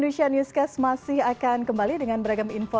terima kasih salam sehat